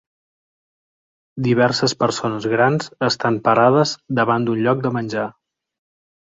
Diverses persones grans estan parades davant d'un lloc de menjar.